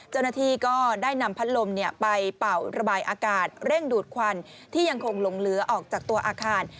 เจ้าหน้าที่ก็ได้นำพัดลมไปเป่าระบายอากาศเร่งดูดควันที่ยังคงหลงเหลือออกจากตัวอาคาร